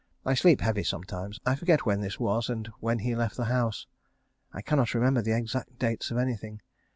I sleep heavy sometimes. I forget when this was and when he left the house. I cannot remember the exact dates of anything.